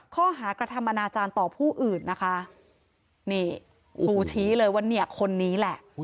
ข้อหากระทำอนาจารย์ต่อผู้อื่นนะคะนี่ครูชี้เลยว่าเนี่ยคนนี้แหละ